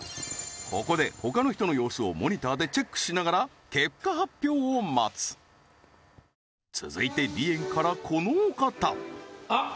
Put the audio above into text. ここでほかの人の様子をモニターでチェックしながら結果発表を待つ続いて梨園からこのお方あっ